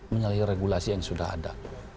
menyalahi regulasi yang sudah ada